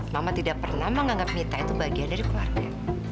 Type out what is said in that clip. mama tidak pernah menganggap mita itu bagian dari keluarga